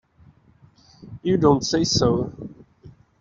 You don't say so!